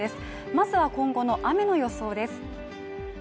まずは今後の雨の予想です